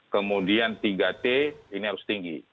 kemudian tiga t ini harus tinggi